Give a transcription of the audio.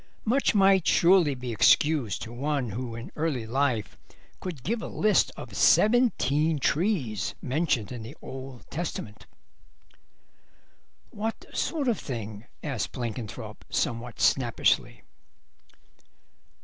Much might surely be excused to one who in early life could give a list of seventeen trees mentioned in the Old Testament. "What sort of thing?" asked Blenkinthrope, somewhat snappishly.